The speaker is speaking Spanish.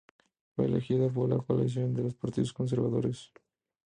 Fue elegido por la coalición de los partidos conservadores.